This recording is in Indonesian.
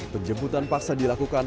penjemputan paksa dilakukan